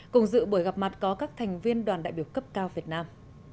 cùng dự buổi gặp mặt có các thành viên đoàn đại biểu cấp cao việt nam